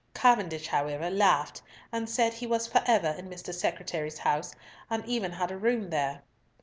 Cavendish, however, laughed and said he was for ever in Mr. Secretary's house, and even had a room there.